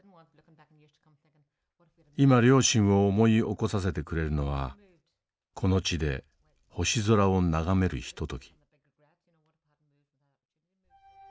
今両親を思い起こさせてくれるのはこの地で星空を眺めるひととき。